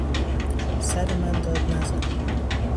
سر من داد نزن!